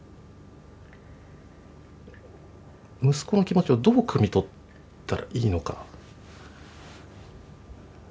息子の気持ちをどうくみ取ったらいいのか。